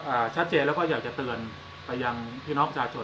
อ่าชัดเจต์แล้วก็อยากจะเตือนไปยังที่นอกชาชน